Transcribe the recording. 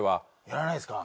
やらないですか？